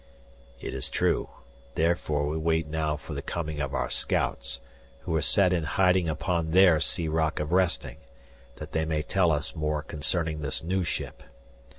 "It is true. Therefore we wait now for the coming of our scouts, who were set in hiding upon their sea rock of resting, that they may tell us more concerning this new ship.